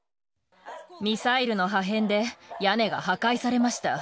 ミサイルの破片で屋根が破壊されました。